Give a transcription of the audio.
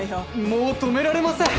もう止められません！